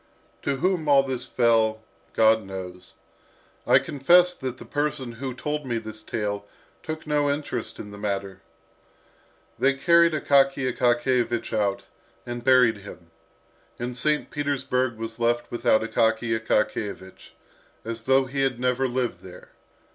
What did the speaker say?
To whom all this fell, God knows. I confess that the person who told me this tale took no interest in the matter. They carried Akaky Akakiyevich out, and buried him. And St. Petersburg was left without Akaky Akakiyevich, as though he had never lived there.